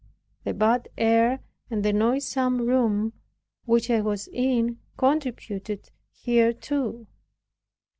The bad air, and the noisome room which I was in, contributed hereto.